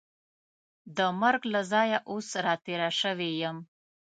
د مرګ له ځایه اوس را تېره شوې یم.